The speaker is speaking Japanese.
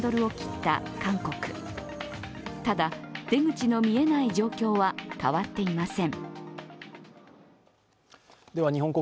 ただ、出口の見えない状況は変わっていません。